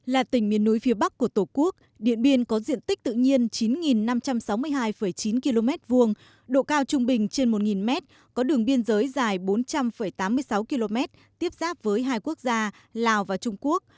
là tỉnh miền núi phía bắc của tổ quốc điện biên có diện tích tự nhiên chín năm trăm sáu mươi hai chín km hai độ cao trung bình trên một mét có đường biên giới dài bốn trăm tám mươi sáu km tiếp giáp với hai quốc gia lào và trung quốc